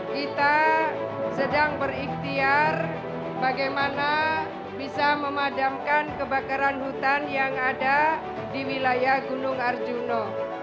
kita sedang berikhtiar bagaimana bisa memadamkan kebakaran hutan yang ada di wilayah gunung arjuna